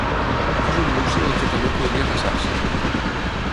Es un luxe del que també podria passar-se'n.